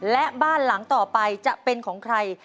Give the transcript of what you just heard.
และบ้านหลังต่อไปจะเป็นของใคร